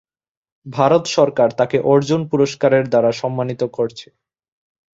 ভারত সরকার তাকে অর্জুন পুরস্কারের দ্বারা সন্মানিত করছে।